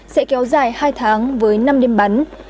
sẽ kéo dài hai tháng với năm đêm bắn